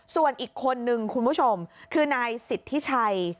ส่วนอีกคนนึงคุณผู้ชมคือนายสิทธิชัย